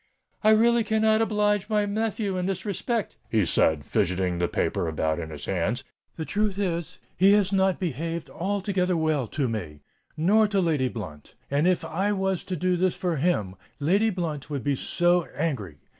"I really cannot oblige my nephew in this respect," he said, fidgetting the paper about in his hands. "The truth is—he has not behaved altogether well to me—nor to Lady Blunt;—and if I was to do this for him, Lady Blunt would be so angry.